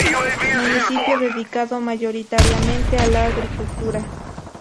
Municipio dedicado mayoritariamente a la agricultura.